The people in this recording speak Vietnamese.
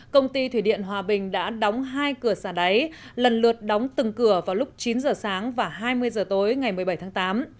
công ty thủy điện hòa bình đã đóng hai cửa xả đáy lần lượt đóng từng cửa vào lúc chín giờ sáng và hai mươi giờ tối ngày một mươi bảy tháng tám